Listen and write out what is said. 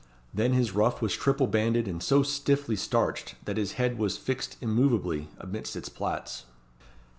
Then his ruff was triple banded, and so stiffly starched, that the head was fixed immovably amidst its plaits.